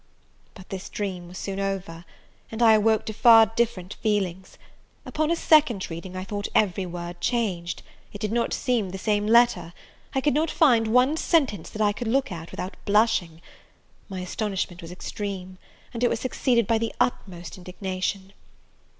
But this dream was soon over, and I awoke to far different feelings. Upon a second reading I thought every word changed, it did not seem the same letter, I could not find one sentence that I could look at without blushing: my astonishment was extreme, and it was succeeded by the utmost indignation.